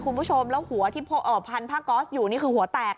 คุณผู้ชมแล้วหัวที่พันผ้าก๊อสอยู่นี่คือหัวแตก